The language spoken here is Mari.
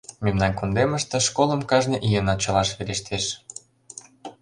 Мемнан кундемыште школым кажне ийын ачалаш верештеш.